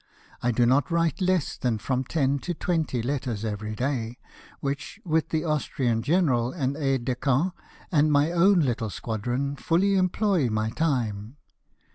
— I do not write less than from ten to twenty letters every day; which, with the Austrian general and aides de camp, and my own little squadron, fully employ my time.